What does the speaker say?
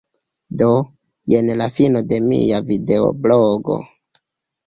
Do, jen la fino de mia videoblogo.